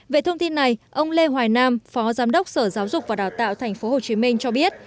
về thông tin này ông lê hoài nam phó giám đốc sở giáo dục và đào tạo tp hcm cho biết